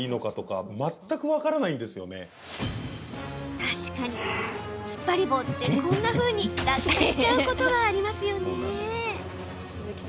確かに、つっぱり棒ってこんなふうに落下しちゃうこととかありますよね。